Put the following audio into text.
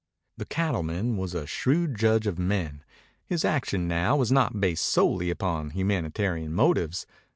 The cattleman was a shrewd judge of men. His action now was not based solely upon humanitarian motives.